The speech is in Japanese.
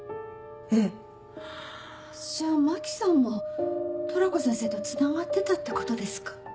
ええ。じゃあ真希さんもトラコ先生とつながってたってことですか？